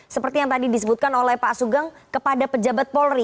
seperti yang tadi disebutkan oleh pak sugeng kepada pejabat polri